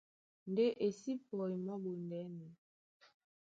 Ndé e sí pɔi mɔ́ ɓondɛ́nɛ.